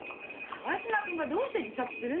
川島君がどうして自殺するのよ！？